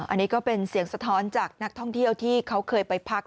อันนี้ก็เป็นเสียงสะท้อนจากนักท่องเที่ยวที่เขาเคยไปพัก